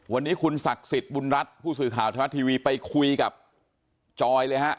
วันนี้คุณศักดิ์สิทธิ์บุญรัฐผู้สื่อข่าวธนรัฐทีวีไปคุยกับจอยเลยฮะ